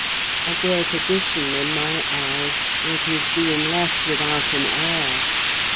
A great addition, in my eyes, was his being left without an heir.